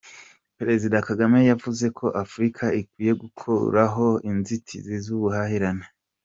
Perezida Kagame yavuze ko Afurika ikwiye gukuraho inzitizi z’ubuhahirane.